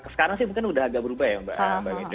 sekarang sih mungkin udah agak berubah ya mbak medri